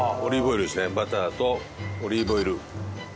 バターとオリーブオイル。